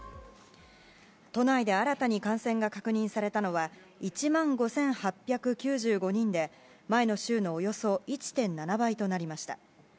都内で新たに感染が確認されたのは１万５８９５人で、前の週のおよそ１．７倍となりました。